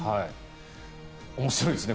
面白いですね